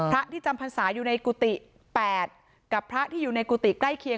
พระที่จำพรรษาอยู่ในกุฏิ๘กับพระที่อยู่ในกุฏิใกล้เคียง